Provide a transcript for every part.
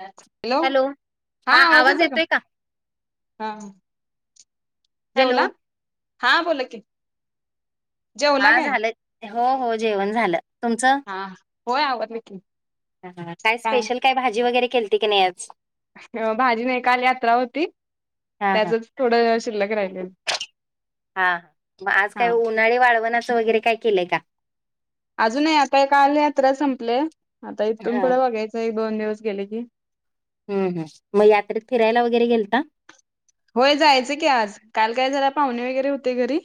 Hello, हा आवाज येतो का? हा हॅलो जेवला हा बोला की जेवला हा काय झालं हो हो जेवण झालं तुमचं हा होय आवरलं की हा हा काय स्पेशल काय भाजी वगैरे केलती की नाही आज भाजी नाही काल यात्रा होती हा हा त्याचच थोडं शिल्लक राहिलेल हा आज काय उन्हाळी वळवणाच वगैरे काय केलंय का? अजून नाही आता हे काल यात्रा संपलय आता इथून हा पुढं बघायचं एक दोन दिवस गेले की हम हम मग यात्रेत फिरायला वगैरे गेलता होय जायचं की आज काल काय जरा पाहुणे वगैरे होते घरी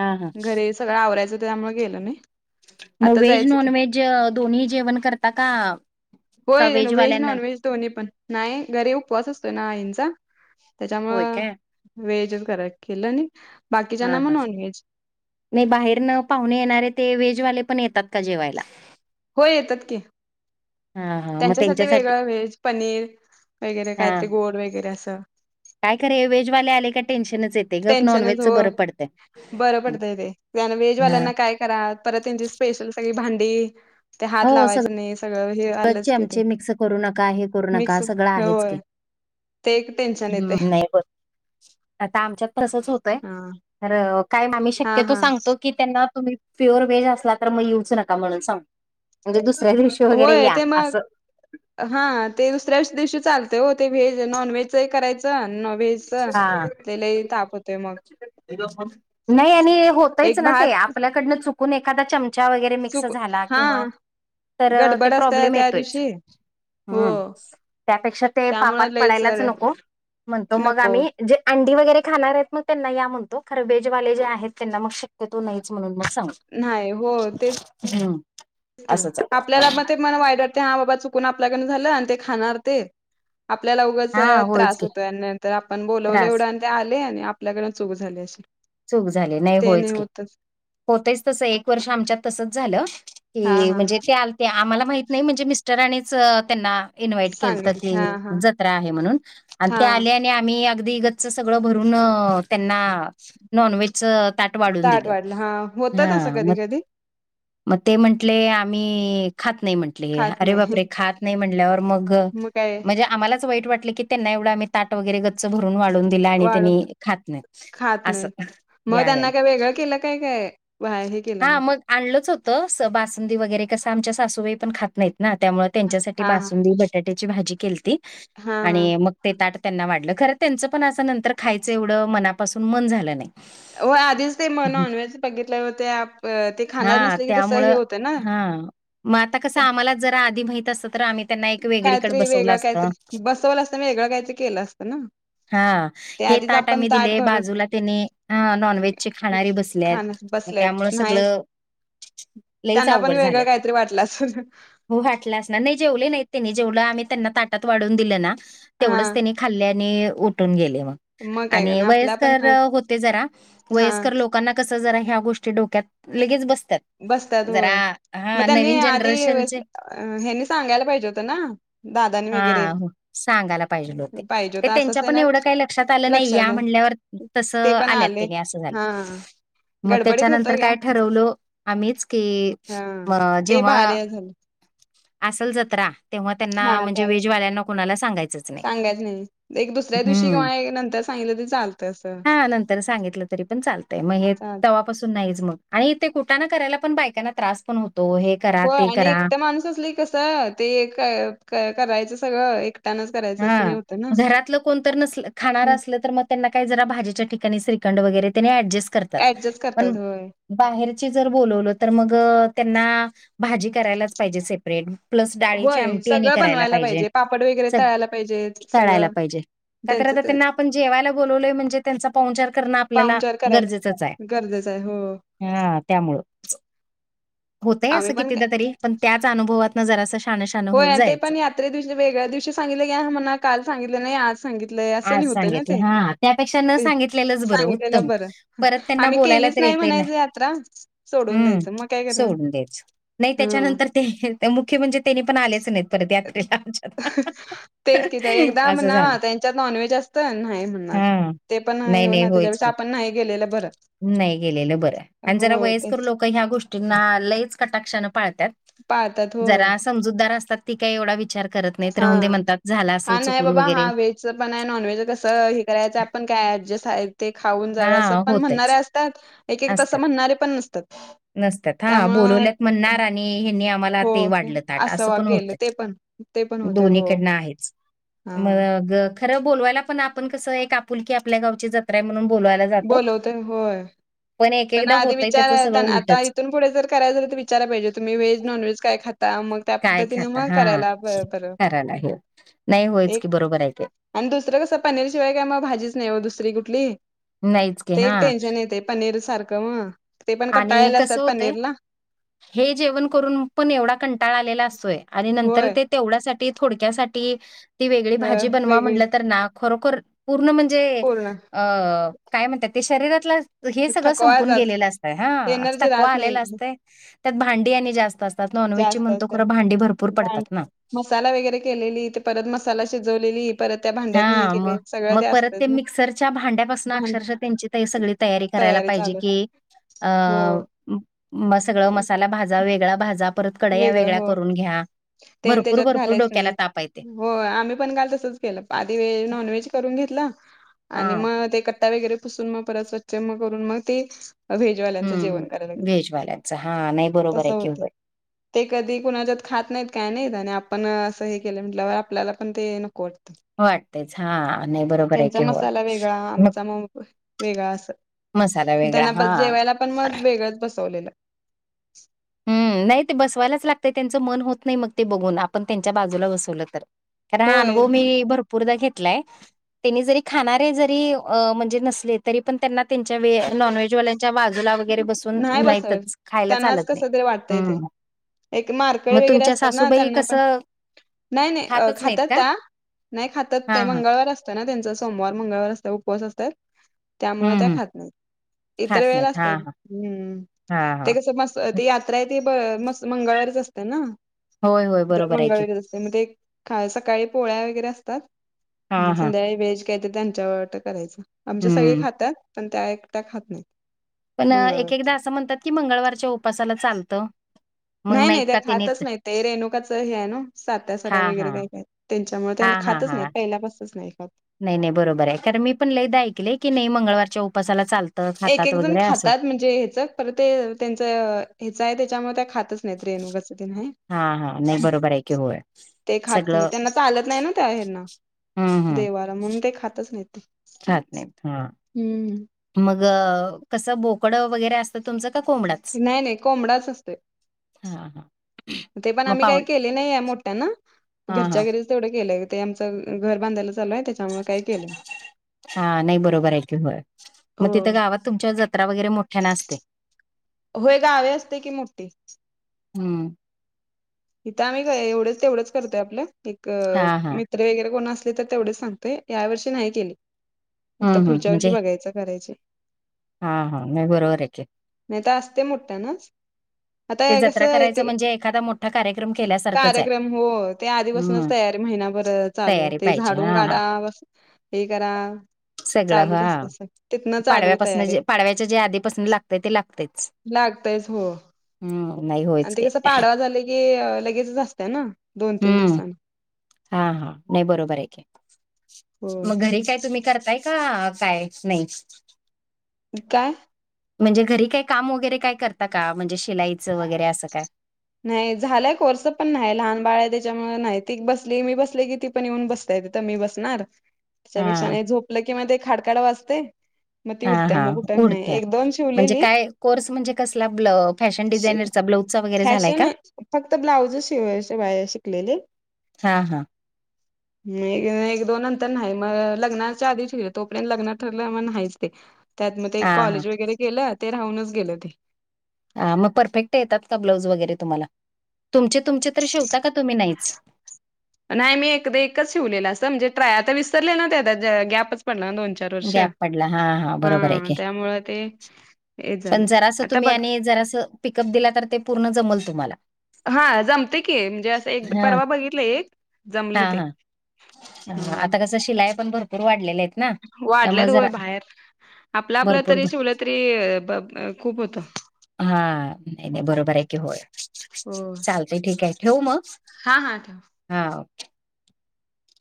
हा हा घरीच सगळं आवरायचं होत त्यामुळे गेलो नाही. मग आता व्हेज जायचं की नॉनव्हेज दोन्ही जेवण करता का? का होय, व्हेज व्हेजवाल्यांना नॉनव्हेज दोन्ही पण नाही घरी उपवास असतोय ना आईंचा होय त्यांच्यामुळ काय व्हेजच कराय केलं नी हा हा. नय बाहेरन पाहुणे येणारे ते व्हेजवाले पण येतात का जेवायला होय येतात की हा हा मग त्यांच्यासाठी वेगळं व्हेज पनीर वगैरे हा कायतरी गोड वगैरे अस काय करा व्हेज वाले आले का टेन्शनच येते ग नॉन टेन्शनच हो व्हेजचं बरं पडतं नॉनव्हेजवाल्यांना काय करा परत त्यांची स्पेशल सगळी भांडी ते हात लावायचं नाही सगळं हे आलं जे मिक्स करू नका हे करू नका सगळं आहेच होय की ते एक टेन्शन येते हम्म नाही बर आता आमच्यात तसंच होतंय हा तर काय आम्ही हा शक्यतो हा सांग की त्यांना तुम्ही प्युअर व्हेज असला तर मग येऊच नका म्हणून सांग म्हनजे दुसऱ्या दिवशी वगैरे होय या ते मग असं हा ते दुसऱ्याच दिवशी चालते हो ते व्हेज नॉनव्हेज करायचं न व्हेज हा. च लय ताप होतोय मग नाही आणि होतच एक ना ते भात आपल्याकडनं चुकून एखादा चमचा वगैरे मिक्स चुक झाला हा किंवा तर ते गडबड असत्या प्रॉब्लेम त्या येतोयच दिवशी हो ह, त्यापेक्षा ते त्यामुळे पापात लईच पडायलाच नको म्हणतो मग नको आम्ही जे अंडी वगैरे खाणार आहेत मग त्यांना या म्हणतो, खरं व्हेज वाले जे आहेत त्यांना मग शक्यतो नाहीच म्हणून मग सांग नाही होय तेच ह की, आपल्याला मग ते मला वाईट वाटतय हा बाबा चुकून आपल्याकडन झालं आणि ते खाणार ते आपल्याला उगच अ हा होयच त्रास की होतोय आणि नंतर आपण बोलवलं त्रास एवढं आन ते आले आणि आपल्याकडन चूक झाली अशी. चूक झाली, नाही ते होयच की होतच होतयच तसं एक वर्ष आमच्यात तसच झालं हा ते हा म्हणजे ते आलते आम्हाला माहित नाही म्हणजे मिस्टरानींच अ त्यांना इन्व्हाइट केलत सांगेल की, हा हा जत्रा आहे म्हणून आणि ते हा आले आणि नाय आम्ही अगदी गच्च सगळं भरून अ त्यांना नॉनव्हेज च ताट वाढून दिलं, वाढलं हा होत हा तसं म कधी कधी म ते म्हटले आम्ही खात नाही म्हंट ले, खात अरे नाही बापरे! खात नाही म्हणल्यावर मग अ म्हणजे आम्हालाच वाईट वाटल की, त्यांना एवढं आम्ही ताट वगैरे गच्च भरून वाढून दिलं आणि वाढ त्यांनी खात नाही खात असं. नाहीत मग या त्यांना ह्याने. काय वेगळं केलं काय, काय काय हे केलं हां, मग मग आणलंच होत बासुंदी वगैरे, कसं आमच्या सासूबाई पण खात नाहीत ना त्यामुळ त्यांच्यासाठी हा हा बासुंदी, बटाट्याची भाजी केलती हा हा आणि मग ते ताट त्यांना वाढलं, खरं त्यांच पण अस नंतर खायचं एवढं मनापासून मन झालं नाही. हो आधीच ते म नॉनव्हेज बघितले होते, आप अ ते खाणार नसले की तस हे होतं ना. हा मग आता कसं त्या आम्हाला जरा आधी माहित असत तर आम्ही त्यांना एक वेगळीकडे काहीतरी बसवलं वेगळ असतं. काहीतरी, बसवलं असत वेगळं काहीतरी केलं असतं ना. हा ते हे आधीच ताट आपण आम्ही दिले भरून बाजूला त्यांनी नॉनव्हेजची खाणारी खाण बसल्यात, म बसलेत त्यामुळे नाही सगळं लईच त्यांना पण अवघड वेगळं झालं. काहीतरी वाटलं असल. हो वाटला असणार ना, नाही जेवले नाहीत त्यांनी जेवढ आम्ही त्यांना ताटात वाढून दिलं ना हा. तेवढंच त्यांनी खाल्ले आणि, उठून गेले मग काय आणि करणार आपल्या पण वयस्कर अ होत होते जरा, हा वयस्कर लोकांना कस जरा ह्या गोष्टी डोक्यात लगेच बसतात. बसत्यात जरा होय, मग हां, त्यांनी नवीन आधी जनरेशनचे ह्यानी सांगायला पाहिजे होतं ना. दादानी वगैरे हा सांगायला पाहिजेल होते, पाहिजे होत ते असं त्यांच्या असं पण ना एवढं काही लक्षात आलं नाही लक्षात या म्हणल्यावर तस ते पण आल्यात आले त्यानी असं झालं, हा मग गडबडीत होत त्याच्यानंतर घ्या काय ठर ठरवलो आम्हीच की, अ जेव्हा काय झालं? असल जत्रा तेव्हा हा त्यांना म्हणजे त्या व्हेजवाल्यांना कुणाला सांगायच च नाही, सांगायच नाही एक दुसऱ्या दिवशी हम्म, किंवा एक नंतर सांगितलं तरी चालतं असं. हा नंतर सांगितलं तरी पण चाल तय, मग हे चाल तवापासून नाहीच मग आणि ते कुटाणा करायला पण बायकांना त्रास पण होतो हे करा, व्हय, ते आणि करा. एकट माणूस असल की कसं, ते क क करायचं सगळं एकट्यानच करायचं असं हे हा, होतं ना. घरातल कोण तर नसल, खाणार असलं तर मग त्यांना काही जरा भाजीच्या ठिकाणी श्रीखंड वगैरे त्यांनी ऍडजस्ट कर त्यात, ऍडजस्ट पण करतात होय बाहेरची जर बोलवलं तर मग अ त्यांना भाजी करायलाच पाहिजे सेप परेट, प्लस डाळीची होय आमटी आणि सगळं करायला बनवायला पाहिजे पापड वगैरे स तळायला पाहिजे करायला सगळं पाहिजे. का तर त्यांचं आता त्यांना त्यांच आपण जेवायला बोलवलय म्हणजे त्यांचा पाहुणचार करण आपल्याला गरजेचंच आहे. गरजेचआहे. हो... हा त्यामुळं, होतंय आम्ही असं पण काय कितीदातरी, पण त्याच अनुभवातन जरस- होय, आणि ते पण यात्रे दिवशी वेगळ्या दिवशी सांगितले, या म्हणा काल सांगितलं नाही. आज- सांगितलंय असं आज नाही होतंय ना सांगितल, ते हा त्यापेक्षा न ते सांगितलेलंच बरं सांगितलेलं उत्तम. बरं परत त्यांना आम्ही बोलायला केलीच तर नाही येतय ना, म्हणायचं यात्रा सोडून हं द्यायचं मग काय करणार सोडून दयाच, नाही हा त्याच्यानंतर- ते मुख्य म्हणजे- ''तेनी पण आलेच नाहीत, परत यात्रेला आमच्यात, असं झालं. '' ''त्याच्यात नॉनव्हेज असत नाही म्हणणार, ते पण नाही होणार, त्याच्या पेक्षा आपण नाही गेलेलं बरं. '' ''नाही गेलेलं बरं, आणि जरा वयस्कर लोक ह्या गोष्टींना लयच कटाक्षानं पाळतात. '' पाळतात हो, ''समूतदार असतात, ती काही एवढा विचार करत नाहीत हा राहंदे म्हणतात, झाला असेल चुकून वगैरे. '' सोप्प नाही नॉनव्हेज कसं, हे करायचं आपण काय ऍडजस्ट आहे, ते खाऊन हा जावे असं पण म्हणणारे होतयच असतात. एक-एक तसं म्हणणारे पण नसतात. नसथत्या त्यामुळं बोलवल्या- आणि यांनी आमला- हो ते वाढलं ताट असं अस वा पण होत, केलं ते पण ते पण होते हो दोन्हीकडन आहेच. हा मग, खरं बोलवायला पण आपण कसं, एक आपुलकी आपल्या गावची जत्रा आहे म्हणून बोलावायला- बोलवते होय. पण एकदा आधी होतय त्याचं सगळं विचारताना, आता उलटच इथून पुढे जर करायचं तर विचारा पाहिजे होतं, तुम्ही व्हेज नॉन व्हेज काय खात- आता, मग त्या काय पद्धतीने खाता मग हा करायला बरं-बरं करायला हे नाही होयच ते- की बरोबर आहे ते आणि, दुसरं कसं पनीर शिवाय काय मग भाजीच नाही हो दुसरी कुठली, नाहीच की ते एक हा टेन्शन येते. पनीर सारख व- आणि कसं होते. हे जेवण करून पण एवढा कंटाळ आलेला असतोय, आणि नंतर होय ते- तेवढ्यासाठी थोडक्यासाठी, ती वेगळी अ भाजी बनवा वेगळी म्हटलं तर ना खरोखर- ''पूर्ण म्हणजे, पूर्ण अ काय म्हणतात, ते शरीरातला हे सगळं थकवा संपून जात गेलेलं असत. '' हां, एनर्जी थकवा राहत आलेला नाही असतय, त्यात भांडी आणि जास्त असते. त्यात नॉन व्हेजची जास्त म्हणतो, असतात खरं भांडी भरपूर भां- पडतात ना, मसाला वगैरे केलेली, मसाला शिजवलेली. परत त्या भांड्यात हे हां मग, केले सगळं मग परत ते असतच ना मिक्सरच्या भांड्यापासून भांड 'अक्षरश' त्यांची- ते सगळी तयारी करायला पाहिजे कि, अ हो मग सगळ मसाला भाज- जा वेगळा भाजा, परत कढया वेगळं वेगळ्या हो करून घ्या, भरपूर-भरपूर डोक्याला तापा हाय ते, हो, आम्ही पण घाल तसच- केलं, आधी व्हेज नॉन व्हेज करून घेतल, आणि हां मग ते कट्टा वगैरे- पुसून परत स्वच्छ करून मग ते व्हेजवाल्यांचं हम्म. जेवण कराय लागेल, व्हेजवाल्यांचं हा नाही बरोबर तस आहे की होते. होय. ते कधी कुणाच्यात खात- नाहीत काय नाही, आणि आपण असं हे केलं म्हटल्यावर आपल्याला पण ते नको वाटत. वाटतेच, हा नाही बरोबर आहे त्यांचा की हो मसाला वेगळा मग आमचा वेगळा असं मसाला त्यांना वेगळा- बस जेवायला पण मग वेगळंच बसवलेलं. हं नाही ते, बसवायलाच लागतय त्यांचं मन होत नाही मग ते बघून, आपण त्यांच्या बाजूला बसवलं तर- कारण हा होय अनुभव मी भरपूरदा घेतलाय. त्यांनी जरी खाणारे जरी अ म्हणजे नसले तरी पण व नॉन व्हेजवाल्या च्या बाजूला वगैरे बसून, नाहीतच, खायला चालत नाही. सगळे वाटतय तेे,, हम्म. एक मारकळे मग वगैरे तुमच्या असतात ना सासूबाई त्यांना पण कसं नाही नाही, अ खातच नाहीत खात्यात का? त्या, नाही खातात ते, नाही हां हां. मंगळवार अस तोय ना त्यांचा सोमवार मंगळवार ऊपवास असतात,, त्यामुळे हम्म त्या हम्म. खात नाही इतर खात वेळात नाहीत ते, हा हा हम्म,, हा ते हा कसं मस् ते यात्रा आहे ती मस् मंगळवारीच असते ना होय होय जर बरोबर आहे की मंगळवारी असते, म्हणजे सकाळी पोळ्या वगैरे असतात हा हा संध्याकाळी व्हेज काय तर त्यांच्यावर करायचं,, आमच्या सगळे हम्म खात्यात पण त्या एकट्या खात नाहीत. पण मंगळवार एकेकदा असं म्हणतात की मंगळवारच्या उपासाला चालतं.? मग नाही नाहीत नाही त्या का ते खातच नेत नाहीत, ते रेणुकाचं हे आहे ना, साती हा आसरा हा वगैरे काय काय? त्यांच्यामुळे हा त्यांना हा खातच नाही, हा पहिल्यापासनचं नाही खात. नाही नाही बरोबर आहे, कारण मी पण लईदा ऐकलय, की नाही मंगळवारच्या उपासाला चालतं. खातात एकेक जण वगैरे असं खातात म्हणजे हचं, पर ते त्यांच ह्याचं आहे त्याच्यामुळे त्या खातच नाहित रेणुकाचं तन हाय हा हा नाही बरोबर आहे की होय ते खात नाही, सगळं त्यांना चालत नाही ना त्या हेना हम्म हम्म देवाला, म्हणून ते खातच नाही ते. खात नाहीत, हं हम्म मग, कसं बोकडं वगैरे असतं तुमचं का कोंबडा? नाही नाही, कोंबडाच असतय. हां. ते पण आम्ही काही केले नाही आहे मोठ्यानं,, हा हा घरच्या घरीच तेवढं केलंय,, ते आमचं घर बांधायला चालूय त्यच्या. हा नाही बरोबर आहे की होय, मग हो. तिथं गावात तुमच्या जत्रा वगैरे मोठ्यानं असतय. होय गावी असतय की मोठीे हम्म इथं आम्ही काय एवढच तेवढंच करतोय आपलं, एकं हां, हां. मित वगैरे कोण असली तर तेवढीच सांगतोय,, या वर्षी नाही केली. हम्म हम्म म्हणजे त्याचं करायची. हा हा, नाही बरोबर आहे की. नाही तर असतय मोठ्ठ्यानच,, आता ते जत्रा कसं करायचं इथे म्हणजे एखादा मोठ कार्यक्रम हो, ते आधीपासनच हं. तयारी महिनाभर चालू, तयारी ते पाहिजे. झाडून हां. काडा हे करा. सगळं हा,, असते सग तिथनं चालू पाडव्यापासनं तयारी जे, पाडव्याच्या जे आधीपासनं लागतय ते लागतयच. लागतयच हो. हम्म नाही होत. आणि ते कसं पाडवा झाले की, लगेचच असत्या ना दोन तीन दिवसांनं. हा हा, नाही बरोबर आहे, होय मग घरी काय तुम्ही करताय का काय नाही? काय? म्हणजे घरी काही काम वगैरे काय करता का, म्हणजे शिलाईचं वगैरे असं काय? नाही झालाय कोर्स पण नाही,, लहान बाळ आहे त्याच्यामुळं नाही,, ती बसली मी बसले की ती पण येऊन बसता तीथ मी बसणार,, त्याच्यापेक्षा हां. नाही झोपलं किंवा ते खाडकाड वाजतय हा हा उडत्या,, म्हणजे शिवलेली काय कोर्स म्हणजे कसला, फॅशन डिझायनरचा, ब्लाऊ फॅशन फक्त ब्लाउजच शिवाय शिवाय शिकलेले. हां, हां. एक दोन नंतर नाय मग लग्नाच्या आधी शिवलं तोपर्यंत लग्न ठरलं मग नाहीच ते. त्यात मग ते हां, हां. कॉलेज वगैरे केलं ते राहूनच गेलं ते. ह मग परफेक्ट येतात का ब्लाऊज वगैरे तुम्हाला, तुमचे तुमचे तर शिवता का तुम्ही नाहीच? नाय मी एकदा एकच शिवलेला असं म्हणजे ट्राय आता विसरले ना त्या गॅपच पडला ना चार वर्ष गॅप पडला हा हा बरोबर आहे की त्यामुळे ते हे पण झालं जरास आता तुम्ही बघ आणि जरास पिकअप दिला तर ते पूर्ण जमल तुमाला. हा जमते की म्हणजे असं एक हां, परवा बघितलं एक जमलं ते. ह आता का तसं शिलाई पण भर पूर वाढलेले आहेत ना. वाढल्यात त्यामुळे वय जरा बाहेर आपला आपलं भरपूर तरी भर शिवलं तरी ब अ खूप होतं. हा नाय नाय बरोबर आहे की होय हो चालतय ठीक हाय ठेवू मग. हा हा ठेवा. हा.